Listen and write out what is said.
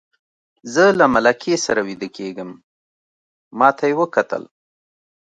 زه له ملکې سره ویده کېږم، ما ته یې وکتل.